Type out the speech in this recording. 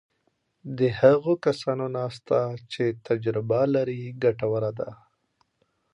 د هغو کسانو ناسته چې تجربه لري ګټوره ده.